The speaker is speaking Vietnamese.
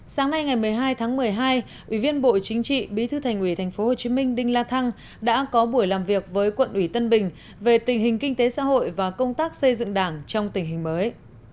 sáng nay ngày một mươi hai tháng một mươi hai ủy viên bộ chính trị bí thư thành ủy tp hcm đinh la thăng đã có buổi làm việc với quận ủy tân bình về tình hình kinh tế xã hội và công tác xây dựng đảng trong tình hình mới